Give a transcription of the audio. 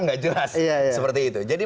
nggak jelas ya ya seperti itu jadi